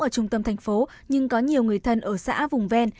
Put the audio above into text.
ở trung tâm tp nhưng có nhiều người thân ở xã vùng ven